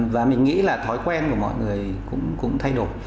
và mình nghĩ là thói quen của mọi người cũng thay đổi